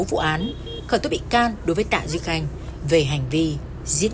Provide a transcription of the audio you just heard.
vụ án khởi tố bị can đối với tạ duy khanh về hành vi giết